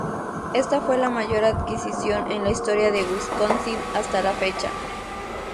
Esta fue la mayor adquisición en la historia de Wisconsin hasta la fecha.